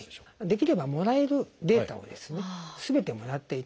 できればもらえるデータをすべてもらっていただきたい。